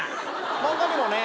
他にもね